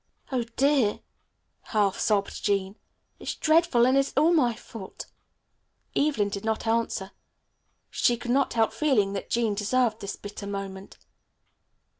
"Oh, dear," half sobbed Jean. "It's dreadful, and it's all my fault." Evelyn did not answer. She could not help feeling that Jean deserved this bitter moment.